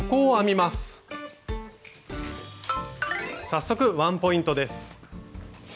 早速ワンポイントです。